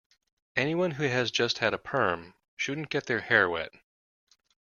Anyone who has just had a perm shouldn't get their hair wet.